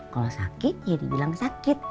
kalau sakit ya dibilang sakit